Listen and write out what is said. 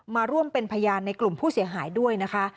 มาร่วมเป็นพยานในกลุ่มผู้เสียหายด้วยนะคะ